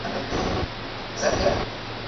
ایا سکرین رڼا کوي؟